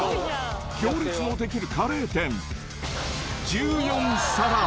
行列の出来るカレー店１４皿。